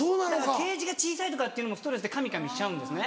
ケージが小さいとかっていうのもストレスでかみかみしちゃうんですね。